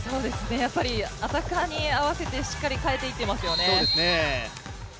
やっぱりアタッカーに合わせてしっかり変えていっていますよね。